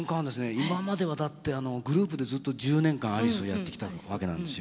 今まではだってあのグループでずっと１０年間アリスをやってきたわけなんですよ。